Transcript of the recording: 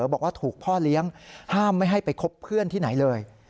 บอกว่าถูกพ่อเลี้ยงห้ามไม่ให้ไปคบเพื่อนที่ไหนเลย